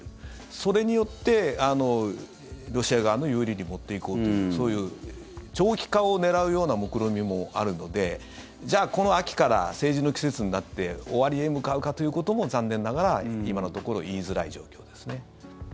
それによって、ロシア側の有利に持っていこうというそういう長期化を狙うようなもくろみもあるのでこの秋から、政治の季節になって終わりへ向かうかということも残念ながら、今のところ言いづらい状況ですね。